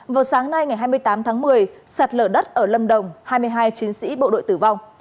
vào sáng nay ngày hai mươi tám tháng một mươi sạt lở đất ở lâm đồng hai mươi hai chiến sĩ bộ đội tử vong